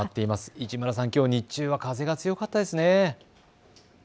市村さん、きょうは日中は風が強かったですね。